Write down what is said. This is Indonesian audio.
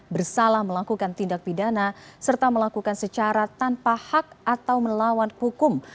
bersalah melakukan tindak pidana serta melakukan secara tanpa hak atau melawan hukum